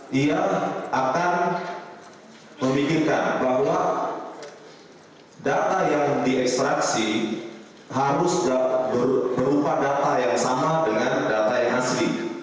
dia akan memikirkan bahwa data yang diekstraksi harus berupa data yang sama dengan data yang asli